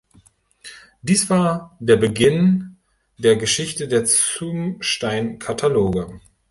Dies war der Beginn der Geschichte der Zumstein-Kataloge.